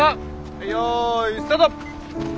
はい用意スタート！